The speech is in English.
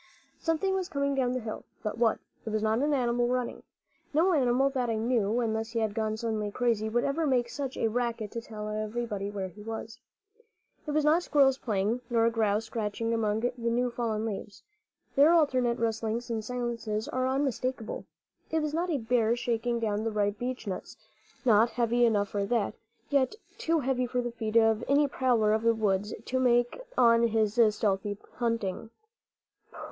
Something was coming down the hill; but what? It was not an animal running. No animal that I knew, unless he had gone suddenly crazy, would ever make such a racket to tell everybody where he was. It was not squirrels playing, nor grouse scratching among the new fallen leaves. Their alternate rustlings and silences are unmistakable. It was not a bear shaking down the ripe beechnuts not heavy enough for that, yet too heavy for the feet of any prowler of the woods to make on his stealthy hunting.